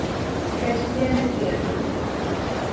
Ket yien ekendo